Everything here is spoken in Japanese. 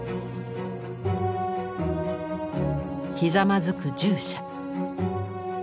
ひざまずく従者。